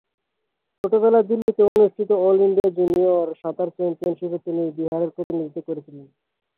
ছোটবেলায়, দিল্লিতে অনুষ্ঠিত অল ইন্ডিয়া জুনিয়র সাঁতার চ্যাম্পিয়নশিপে তিনি বিহারের প্রতিনিধিত্ব করেছিলেন।